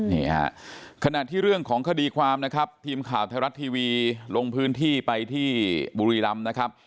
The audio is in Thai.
นี่ฮะขณะที่เรื่องของคดีความนะครับทีมข่าวไทยรัฐทีวีลงพื้นที่ไปที่บุรีรำนะครับ